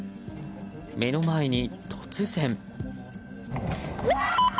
目の前に、突然。